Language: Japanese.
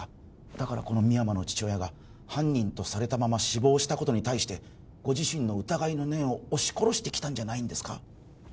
だからこの深山の父親が犯人とされたまま死亡したことに対してご自身の疑いの念を押し殺してきたんじゃないんですか？